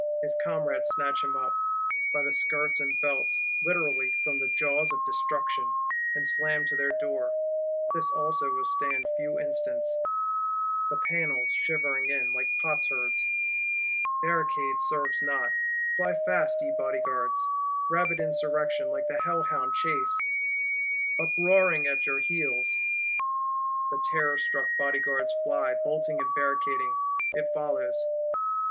His comrades snatch him up, by the skirts and belts; literally, from the jaws of Destruction; and slam to their Door. This also will stand few instants; the panels shivering in, like potsherds. Barricading serves not: fly fast, ye Bodyguards; rabid Insurrection, like the hellhound Chase, uproaring at your heels! The terrorstruck Bodyguards fly, bolting and barricading; it follows.